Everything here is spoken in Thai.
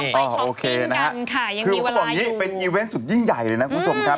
ยังมีเวลาอยู่คือข้อส่วนนี้เป็นอีเว้นต์สุดยิ่งใหญ่เลยนะคุณสมครับ